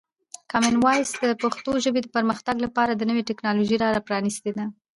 کامن وایس د پښتو ژبې د پرمختګ لپاره د نوي ټکنالوژۍ لاره پرانیستې ده.